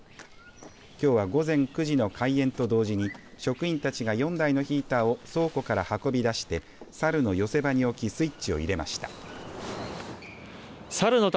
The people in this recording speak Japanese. きょうは午前９時の開園と同時に職員たちが４台のヒーターを倉庫から運び出してサルの寄せ場に置きスイッチを入れました。